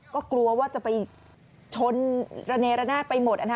ก็กลัวว่าจะไปชนระเนระนาดไปหมด